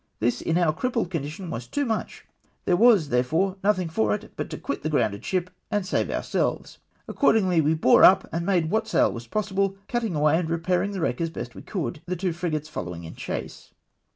This, in our crippled condition, was too much ; there was, therefore, nothing for it but to quit the grounded ship and save ourselves. Accord JOINED BY THE KINGFISHER. 199 ingly we bore up, and made wliat sail was possible, cutting away and repairing the wreck as we best could ; the two frigates following in chase.